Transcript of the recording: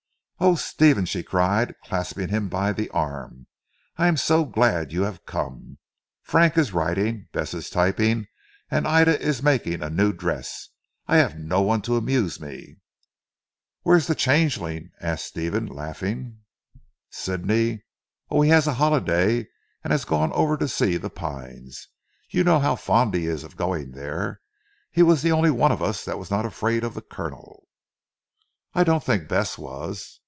"Oh, Stephen!" she cried clasping him by the arm. "I am so glad you have come. Frank is writing, Bess is typing, and Ida is making a new dress. I have no one to amuse me." "Where is the Changeling?" asked Stephen laughing. "Sidney! Oh, he has a holiday, and has gone over to see 'The Pines.' You know how fond he is of going there. He was the only one of us that was not afraid of the Colonel." "I don't think Bess was."